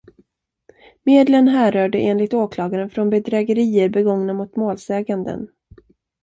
Medlen härrörde enligt åklagaren från bedrägerier begångna mot målsäganden.